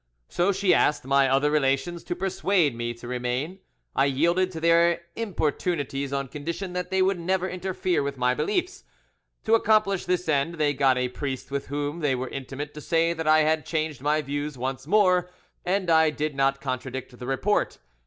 So she asked my other relations to persuade me to remain. I yielded to their importunities on condition that they would never interfere with my beliefs. To accomplish this end they got a priest with whom they were intimate to say that I had changed my views once more, and I did not contradict the report.